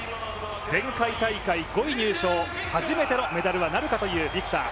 前回大会５位入賞、初めてのメダルはなるかというビクター。